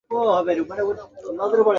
আতিথেয়তা ও বিপন্নের সাহায্যে যিনি অস্থির।